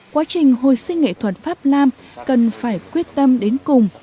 quá trình hồi sinh nghệ thuật pháp nam cần phải quyết tâm đến cùng